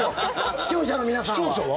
視聴者の皆さんは。